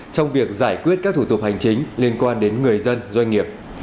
trong việc giải quyết các thủ tục hành chính liên quan đến người dân doanh nghiệp